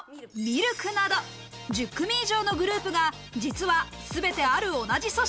ＬＫなど、１０組以上のグループが実はすべてある同じ組織。